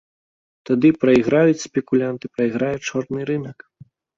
Тады прайграюць спекулянты, прайграе чорны рынак.